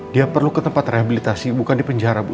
dia perlu ke tempat rehabilitasi bukan di penjara bu